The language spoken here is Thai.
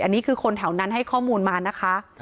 อันนี้คือคนแถวนั้นให้ข้อมูลมานะคะ